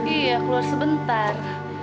iya keluar sebentar